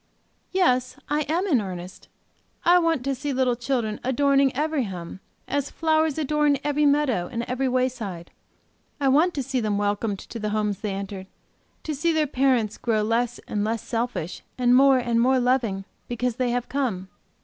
"Yes, I am in earnest. I want to see little children adorning every home, as flowers adorn every meadow and every wayside. I want to see them welcomed to the homes they enter, to see their parents grow less and less selfish, and more and more loving, because they have come.